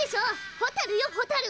ホタルよホタル！